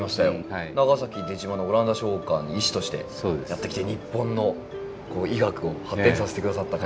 長崎出島のオランダ商館に医師としてやって来て日本の医学を発展させて下さった方。